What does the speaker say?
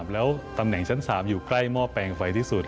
แล้วตำแหน่งชั้น๓อยู่ใกล้หม้อแปลงไฟที่สุด